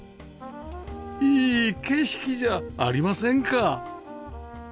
いい景色じゃありませんか